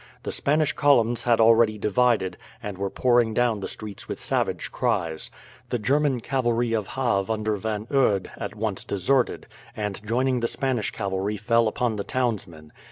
The Spanish columns had already divided, and were pouring down the streets with savage cries. The German cavalry of Havre under Van Eude at once deserted, and joining the Spanish cavalry fell upon the townsmen.